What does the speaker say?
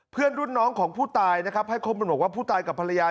เพื่อนรุ่นน้องของผู้ตายให้ความบันดาลใจว่าผู้ตายกับภรรยา